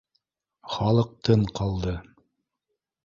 Халыҡ тын ҡалды